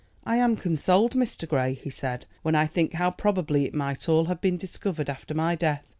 "I am consoled, Mr. Grey," he said, "when I think how probably it might all have been discovered after my death.